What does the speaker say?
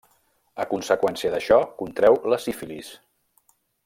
A conseqüència d'això contreu la sífilis.